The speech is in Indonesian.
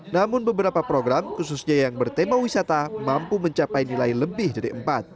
namun beberapa program khususnya yang bertema wisata mampu mencapai nilai lebih dari empat